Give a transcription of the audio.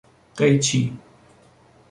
قیچی